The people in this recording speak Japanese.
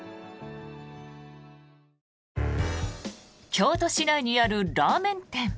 京都市内にあるラーメン店。